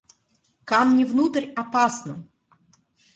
Камни внутрь опасно!